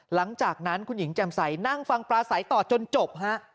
หลังจากนั้นคุณหญิงแจ่มใสนั่งฟังปลาใสต่อจนจบฮะ